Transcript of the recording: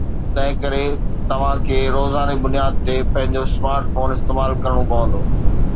تنهن ڪري توهان کي روزانه بنياد تي پنهنجو سمارٽ فون استعمال ڪرڻو پوندو